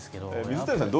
水谷さん